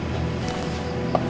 tidak ada yang bisa diberikan